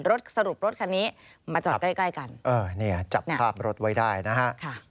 สรุปรถคันนี้มาจอดใกล้ใกล้กันเออเนี่ยจับภาพรถไว้ได้นะฮะ